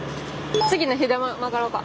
次の左曲がろうか。